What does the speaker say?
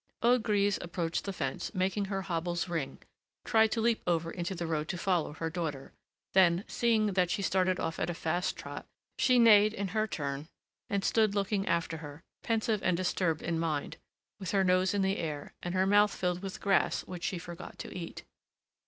Old Grise approached the fence, making her hopples ring, tried to leap over into the road to follow her daughter; then, seeing that she started off at a fast trot, she neighed in her turn, and stood looking after her, pensive and disturbed in mind, with her nose in the air, and her mouth filled with grass which she forgot to eat.